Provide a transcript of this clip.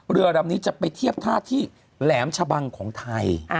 เรือลำนี้จะไปเทียบท่าที่แหลมชะบังของไทย